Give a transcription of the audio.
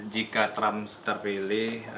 jika trump terpilih